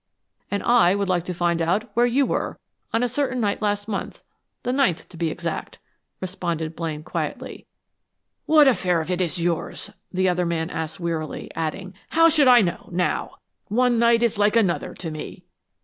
"And I would like to find out where you were on a certain night last month the ninth, to be exact," responded Blaine quietly. "What affair is it of yours?" the other man asked wearily, adding: "How should I know, now? One night is like another, to me."